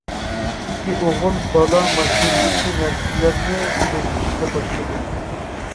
ئىككى ئوغۇل بالا ماشىنىدىكى نەرسىلەرنى توشۇشقا باشلىدى.